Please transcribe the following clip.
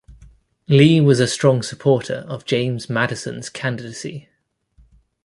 Lee was a strong supporter of James Madison's candidacy.